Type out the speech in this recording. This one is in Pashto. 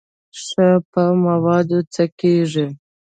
ښه په موادو څه کېږي.